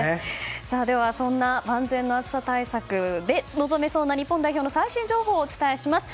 では、そんな万全の暑さ対策で臨めそうな日本代表の最新情報をお伝えします。